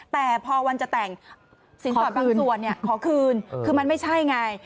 แต่พอวันจะแต่งสินสอดบางส่วนขอคืนคือมันไม่ใช่ไง